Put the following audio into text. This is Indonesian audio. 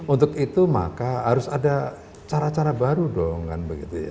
untuk itu maka harus ada cara cara baru dong kan begitu ya